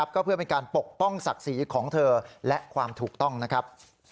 ก็เพื่อเป็นการปกป้องศักดิ์ศรีของเธอและความถูกต้องนะครับ